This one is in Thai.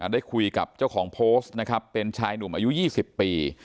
ได้คุยกับเจ้าของโพสต์นะครับเป็นชายหนุ่มอายุ๒๐ปี